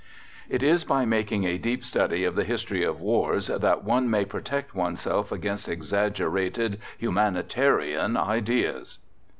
It is by making a deep study of the history of wars that, "one may protect oneself against exaggerated humanitarian ideas."